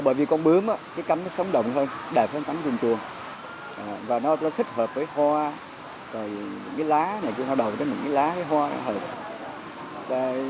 bởi vì con bướm cái cắm nó sóng động hơn đẹp hơn cắm chuồng chuồng và nó xích hợp với hoa cái lá nhà chúng ta đòi nó xích hợp với hoa